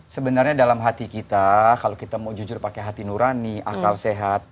sebenarnya dalam hati kita kalau kita mau jujur pakai hati nurani akal sehat